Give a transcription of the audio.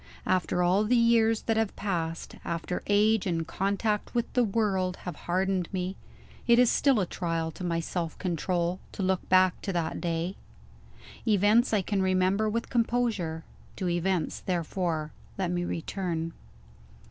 After all the years that have passed after age and contact with the world have hardened me it is still a trial to my self control to look back to that day. Events I can remember with composure. To events, therefore, let me return.